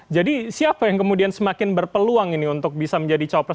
jadi siapa yang kemudian semakin berpeluang ini untuk bisa menjadi cawapres